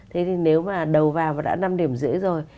thế thì nếu mà đầu vào và đã năm điểm rưỡi rồi